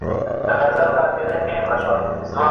تښتي خوب له شپو څخه، ورځي لکه کال اوږدې